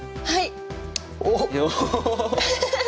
はい！